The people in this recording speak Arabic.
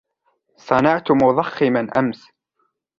صنعتُ مُضَخِّمًا أمس.